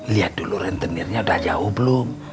lihat dulu rentenirnya udah jauh belum